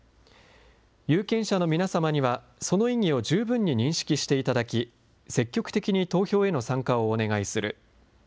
有権者の皆様には、その意義を十分に認識していただき、積極的に投票への参加をお願いする。